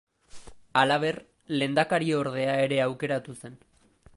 Halaber, lehendakariordea ere aukeratu zen.